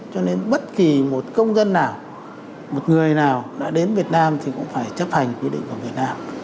cho nên bất kỳ một công dân nào một người nào đã đến việt nam thì cũng phải chấp hành quy định của việt nam